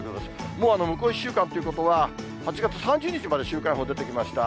もう向こう１週間ということは、８月３０日まで週間予報出てきました。